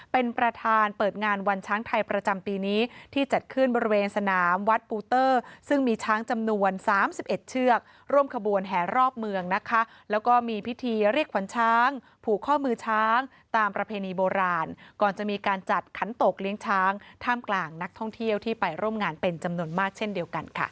เป็นประธานเปิดงานวันช้างไทยประจำปีนี้